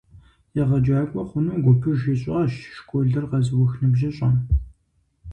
ЕгъэджакӀуэ хъуну гупыж ищӀащ школыр къэзыух ныбжьыщӀэм.